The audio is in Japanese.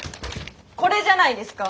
これじゃないですか？